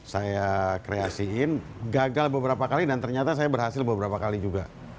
saya kreasiin gagal beberapa kali dan ternyata saya berhasil beberapa kali juga